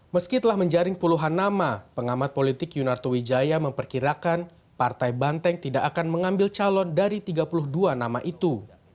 meski telah menjaring puluhan nama pengamat politik yunarto wijaya memperkirakan partai banteng tidak akan mengambil calon dari tiga puluh dua nama itu